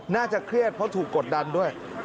น่าจะเครียดเพราะถูกกดดันด้วย